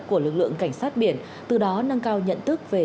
của lực lượng cảnh sát biển từ đó nâng cao nhận thức về